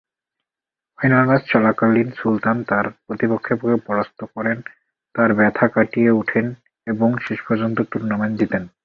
Final match চলাকালীন, সুলতান তার প্রতিপক্ষকে পরাস্ত করতে তার ব্যথা কাটিয়ে উঠেন এবং শেষ পর্যন্ত টুর্নামেন্ট জিতেন।